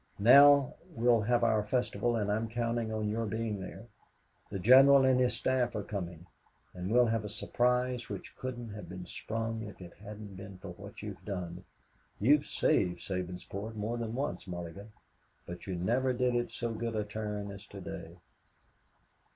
"Now, we'll have our festival, and I'm counting on your being there. The General and his staff are coming, and we'll have a surprise which couldn't have been sprung if it hadn't been for what you've done. You've saved Sabinsport more than once, Mulligan, but you never did it so good a turn as to day."